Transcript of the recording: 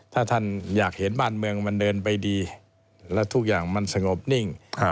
ถ้าท่านอยากเห็นบ้านเมืองมันเดินไปดีและทุกอย่างมันสงบนิ่ง